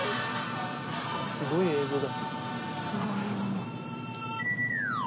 すごい映像だ。